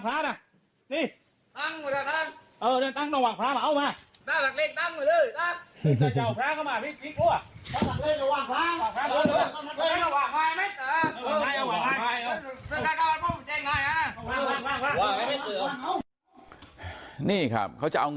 ผู้ชมครับท่าน